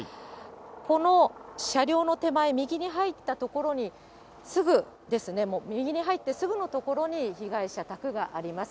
この車両の手前、右に入った所に、すぐですね、もう右に入ってすぐの所に、被害者宅があります。